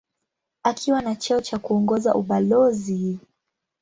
Akiwa na cheo cha kuongoza ubalozi.